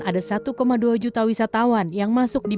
ada satu dua juta wisatawan yang masuk ke bintan